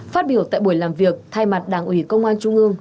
phát biểu tại buổi làm việc thay mặt đảng ủy công an trung ương